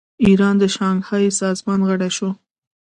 ایران د شانګهای سازمان غړی شو.